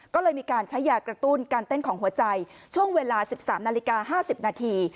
ก็เลยมีการใช้ยากระตุ้นการเต้นของหัวใจช่วงเวลา๑๓นาฬิกา๕๐นาที